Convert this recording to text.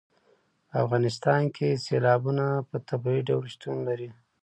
په افغانستان کې سیلابونه په طبیعي ډول شتون لري.